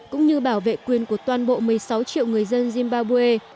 cũng như bảo vệ quyền của toàn bộ một mươi sáu triệu người dân zimbabwe